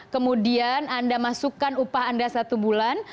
kemudian anda masukkan upah anda satu bulan